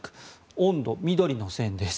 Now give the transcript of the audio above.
温度、緑の線です。